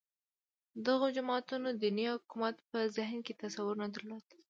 دغو جماعتونو دیني حکومت په ذهن کې تصور نه درلود